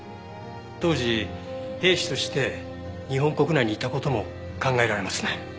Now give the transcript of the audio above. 当時兵士として日本国内にいた事も考えられますね。